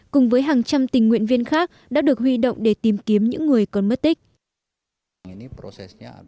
cùng với hàng trăm tình nguyện viên khác đã được huy động để tìm kiếm những người còn mất tích